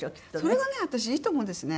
それがね私いいと思うんですね。